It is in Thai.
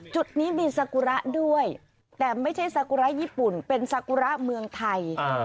จุดนี้มีสากุระด้วยแต่ไม่ใช่สากุระญี่ปุ่นเป็นสากุระเมืองไทย